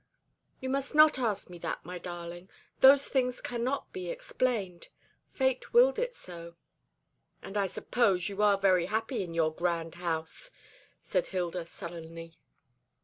"You must not ask me that, my darling. Those things cannot be explained. Fate willed it so." "And I suppose you are very happy in your grand house?" said Hilda sullenly.